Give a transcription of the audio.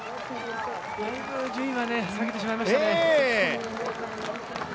だいぶ順位は下げてしまいましたね。